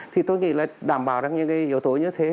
thì tôi nghĩ là đảm bảo ra những yếu tố như thế